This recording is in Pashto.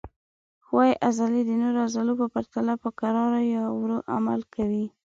ښویې عضلې د نورو عضلو په پرتله په کراه یا ورو عمل کوي.